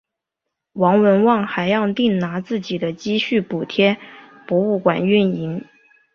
王文旺还要另拿自己的积蓄补贴博物馆运营。